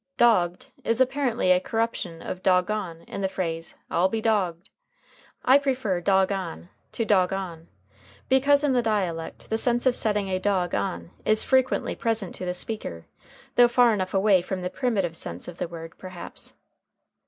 Dogged is apparently a corruption of dog on in the phrase "I'll be dogged." I prefer dog on to dogone, because in the dialect the sense of setting a dog on is frequently present to the speaker, though far enough away from the primitive sense of the word; perhaps.